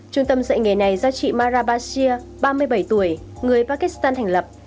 trung tâm dạy nghề này do chị mara bashir ba mươi bảy tuổi người pakistan thành lập